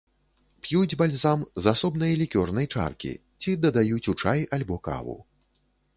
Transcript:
П'юць бальзам з асобнай лікёрнай чаркі ці дадаюць у чай альбо каву.